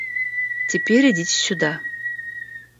Теперь идите сюда.